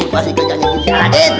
ini wasit kejadian kita lagi